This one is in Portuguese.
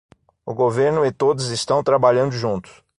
O governo e todos estão trabalhando juntos